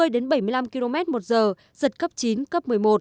đến hai mươi năm km một giờ giật cấp chín cấp một mươi một